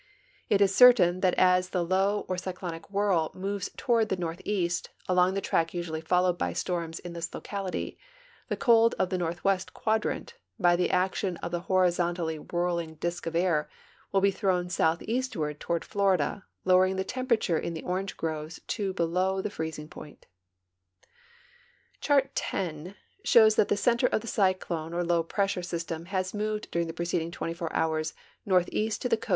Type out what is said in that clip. It is certain that as the low or cyclonic whirl moves toward the northeast, along the track usually followed by storms in this locality, the cold of the northwest quadrant, by the action of the horizontally whirling disk of air, will be thrown southeastward toward Florida, lowering the temperature in the orange groves to below tbe freezing point. Chart X shows that the center of the cyclone or low pressure system has moved during the preceding 24 hours northeast to the coa.